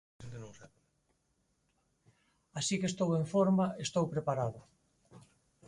Así que estou en forma, estou preparado.